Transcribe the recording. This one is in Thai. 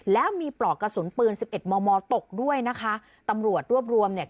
แล้วมีปลอกกระสุนปืนสิบเอ็ดมอตกด้วยนะคะตำรวจรวบรวมเนี่ย